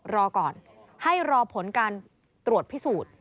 รอก่อนให้รอผลการตรวจพิสูจน์